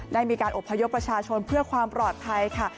ได้มีการอบพยพประชาชนเพื่อความปลอดภัยค่ะ